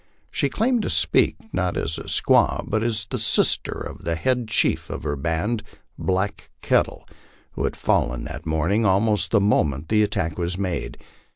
She claimed to speak not as a squaw, but as the sister of the head chief of her band, Black Kettle, who had fallen that morning almost the moment the attack was made.